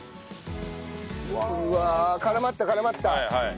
うわあ絡まった絡まった。